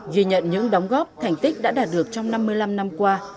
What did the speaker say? ghi nhận những đóng góp thành tích đã đạt được trong năm mươi năm năm qua